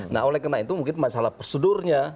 nah oleh karena itu mungkin masalah prosedurnya